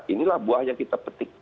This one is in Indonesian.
inilah buah yang kita petik